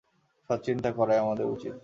সৎ চিন্তা করাই আমাদের উচিত।